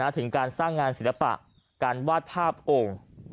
ถึงการสร้างงานศิลปะการวาดภาพโอ่ง